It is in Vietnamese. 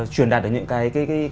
chuyển đạt được những cái